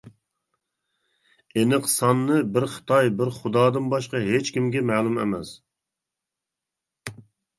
ئېنىق سانىنى بىر خىتاي، بىر خۇدادىن باشقا ھېچكىمگە مەلۇم ئەمەس.